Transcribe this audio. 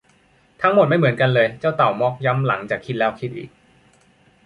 ทั้งหมดไม่เหมือนกันเลย เจ้าเต่าม็อคย้ำหลังจากคิดแล้วคิดอีก